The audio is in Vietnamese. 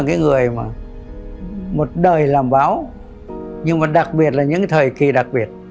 thế thì nhà báo là một đời làm báo nhưng đặc biệt là những thời kỳ đặc biệt